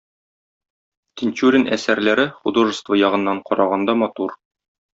Тинчурин әсәрләре художество ягыннан караганда матур.